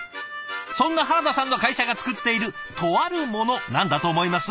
そんな原田さんの会社が作っているとあるもの何だと思います？